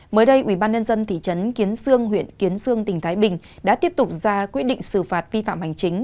mới đây ubnd thị trấn kiến sương huyện kiến sương tỉnh thái bình đã tiếp tục ra quyết định xử phạt vi phạm hành chính